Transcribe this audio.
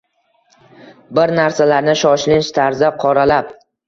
Bir narsalarni shoshilinch tarzda qoralab